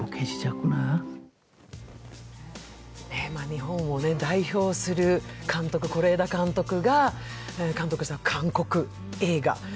日本を代表する監督、是枝監督が監督した監督した韓国映画。